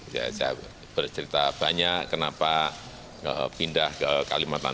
saya bercerita banyak kenapa pindah ke kalimantan